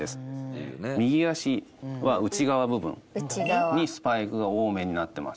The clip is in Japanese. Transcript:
右足は内側部分にスパイクが多めになってます。